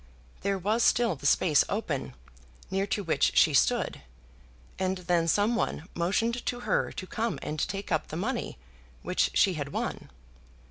There was still the space open, near to which she stood, and then someone motioned to her to come and take up the money which she had won.